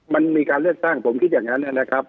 มันมีการเลือกตั้งผมคิดอย่างนั้นนะครับ